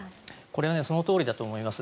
これそのとおりだと思います。